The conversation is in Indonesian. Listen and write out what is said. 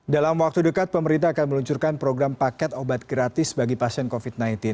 dalam waktu dekat pemerintah akan meluncurkan program paket obat gratis bagi pasien covid sembilan belas